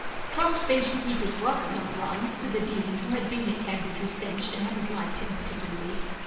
"Trust Finch to keep his workers on the run," said the Dean, who had been at Cambridge with Finch, and hadn't liked him particularly.